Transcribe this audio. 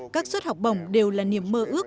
các suất học bổng đều là niềm mơ ước